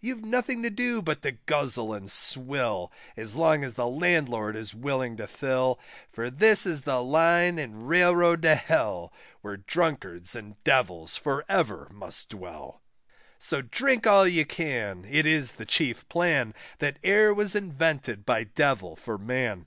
You've nothing to do but to guzzle and swill, As long as the Landlord is willing to fill, For this is the Line and the Railroad to Hell, Where Drunkards and Devils for ever must dwell; So drink all you can, it is the chief plan, That e'er was invented by Devil for man.